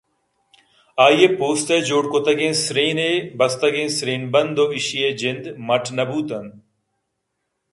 آئی ءِ پوست ءِ جوڑکُتگیں سرّین ءِ بستگیں سرّین بند ءُایشی ءِ جند مٹ نہ بوت اَنت